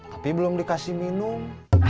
tapi belum dikasih minum